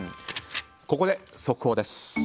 ここで速報です。